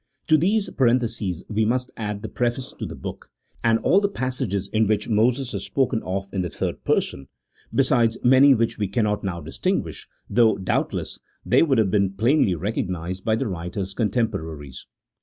To these parentheses we must add the preface to the book, and all the passages in which Moses is spoken of in the third person, besides many which we cannot now distinguish, though, doubtless, they would have been plainly recognized by the writer's contemporaries.